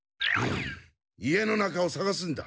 家の中をさがすんだ。